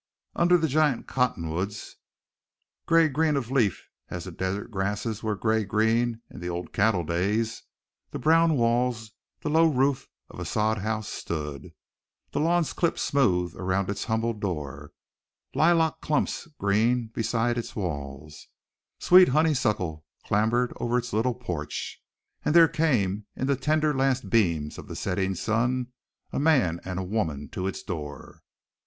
Under the giant cottonwoods, gray green of leaf as the desert grasses were gray green in the old cattle days, the brown walls, the low roof, of a sod house stood, the lawn clipped smooth around its humble door, lilac clumps green beside its walls, sweet honeysuckle clambering over its little porch. And there came, in the tender last beams of the setting sun, a man and woman to its door.